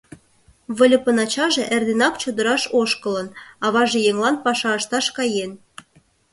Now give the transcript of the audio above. Выльыпын ачаже эрденак чодыраш ошкылын, аваже еҥлан паша ышташ каен.